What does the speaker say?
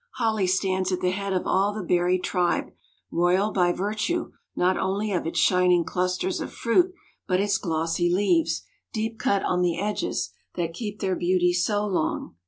Holly stands at the head of all the berry tribe, royal by virtue not only of its shining clusters of fruit, but its glossy leaves, deep cut on the edges, that keep their beauty so long.